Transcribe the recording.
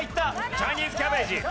チャイニーズキャベジ。